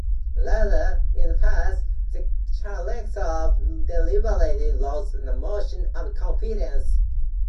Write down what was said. Rather, in the past, the Chancellor deliberately loses a motion of confidence.